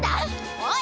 おい！